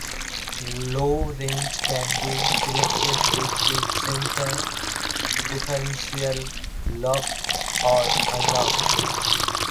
Low range can be selected with the centre differential locked or unlocked.